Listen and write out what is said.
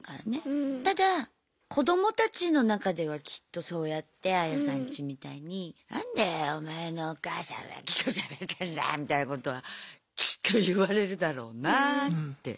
ただ子どもたちの中ではきっとそうやってアヤさんちみたいに何だよお前のお母さんは木としゃべってんだみたいなことはきっと言われるだろうなって。